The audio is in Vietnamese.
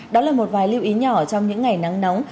đó là một vài lưu ý nhỏ trong những ngày nắng nóng